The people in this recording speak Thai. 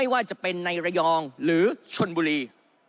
ว่าจะเป็นในระยองหรือชนบุรี